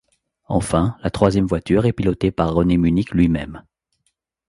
Enfin la troisième voiture est pilotée par René Münnich lui-même.